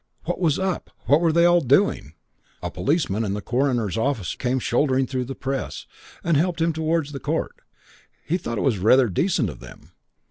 What was up? What were they all doing? A policeman and the coroner's officer came shouldering through the press and helped him towards the court. He thought it was rather decent of them.